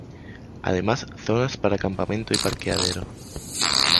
Además zonas para campamento y parqueadero.